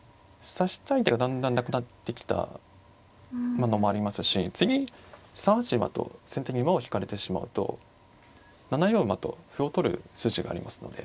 指したい手がだんだんなくなってきたのもありますし次３八馬と先手に馬を引かれてしまうと７四馬と歩を取る筋がありますので。